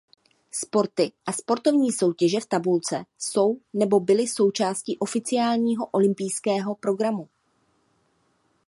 Sporty a sportovní soutěže v tabulce jsou nebo byly součástí oficiálního olympijského programu.